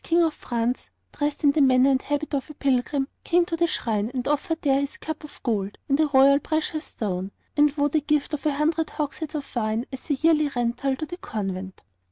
King of France, dressed in the manner and habit of a pilgrim, came to the shrine and offered there his cup of gold and a royal precious stone, and vowed a gift of a hundred hogsheads of wine as a yearly rental to the convent.